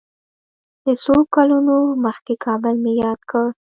د څو کلونو مخکې کابل مې یاد کړ.